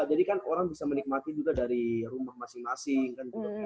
jadi kan orang bisa menikmati juga dari rumah masing masing kan juga